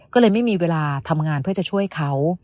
ก็เลยไม่มีเวลาทำงานเพื่อจะช่วยเขา